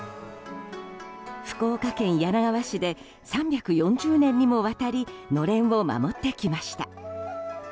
福岡県柳川市で３４０年にもわたりのれんを守ってきました。